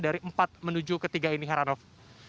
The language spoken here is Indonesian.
dari empat menuju ke tiga ini haranoff